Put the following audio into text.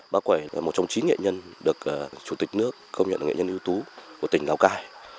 bác quẩy là một trong chín nghệ nhân được chủ tịch nước công nhận là nghệ nhân ưu tú của tỉnh lào cai